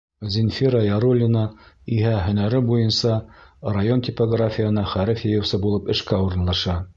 Зинфира Яруллина иһә һөнәре буйынса район типографияһына хәреф йыйыусы булып эшкә урынлаша.